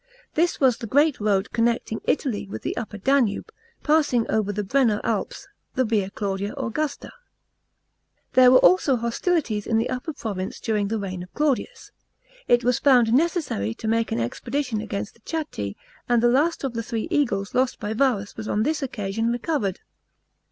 This was the great road connecting Italy with the U pper Danube, passing over the Brenner Alps, the Via Claudia Augusta. § 11. There were also hostilities in the Upper province during the reign of Claudius. It was found necessary to make an ex pedition against the Chatti, and the last of the three eagles lost by Varus was on this occasion recovered.